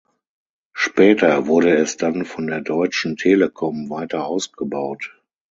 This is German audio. Später wurde es dann von der Deutschen Telekom weiter ausgebaut.